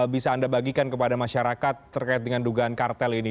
bisa anda bagikan kepada masyarakat terkait dengan dugaan kartel ini